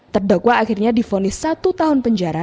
terdakwa akhirnya difonis satu tahun penjara